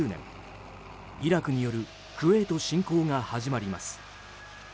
イラクによるクウェート侵攻が始まります。